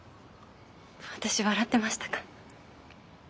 私笑ってましたか？